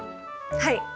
はい。